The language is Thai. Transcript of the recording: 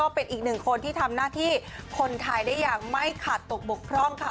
เป็นอีกหนึ่งคนที่ทำหน้าที่คนไทยได้อย่างไม่ขาดตกบกพร่องค่ะ